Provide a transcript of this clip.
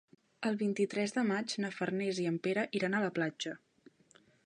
El vint-i-tres de maig na Farners i en Pere iran a la platja.